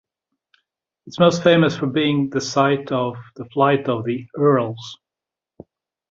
It is most famous for being the site of the Flight of the Earls.